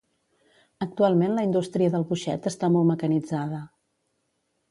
Actualment la indústria del boixet està molt mecanitzada.